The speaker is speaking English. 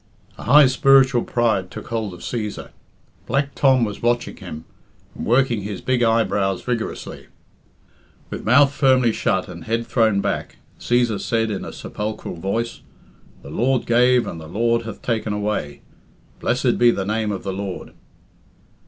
A high spiritual pride took hold of Cæsar Black Tom was watching him, and working his big eyebrows vigorously. With mouth firmly shut and head thrown back, Cæsar said in a sepulchral voice, "The Lord gave, and the Lord hath taken away. Blessed be the name of the Lord!"